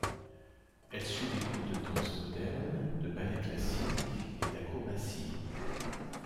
Elle suit des cours de danse moderne, de ballet classique et d'acrobatie.